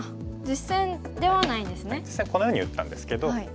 実戦はこのように打ったんですけど。